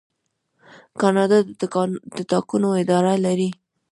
کاناډا د ټاکنو اداره لري.